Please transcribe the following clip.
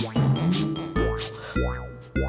lagi ada yang dri k dificult on